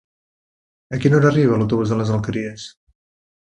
A quina hora arriba l'autobús de les Alqueries?